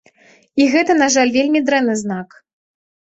І гэта, на жаль, вельмі дрэнны знак.